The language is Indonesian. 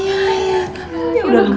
kamu masih kelihatan bagus